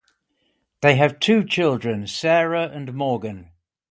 They have two children, Sarah and Morgan.